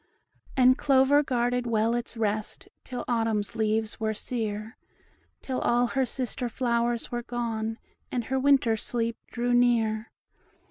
And Clover guarded well its rest, Till Autumn's leaves were sere, Till all her sister flowers were gone, And her winter sleep drew near.